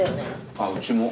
あぁうちも。